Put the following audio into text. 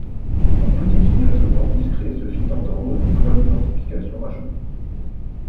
Un petit signal sonore discret se fit entendre une fois l’identification achevée.